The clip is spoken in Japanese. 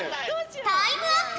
タイムアップ！